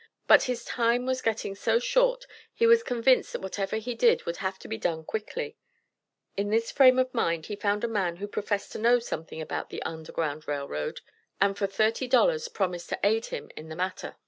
But his time was getting so short he was convinced that whatever he did would have to be done quickly. In this frame of mind he found a man who professed to know something about the Underground Rail Road, and for "thirty dollars" promised to aid him in the matter.